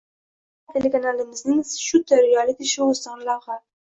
Yoshlar telekanalimizning "Shooter" realiti -shousidan lavha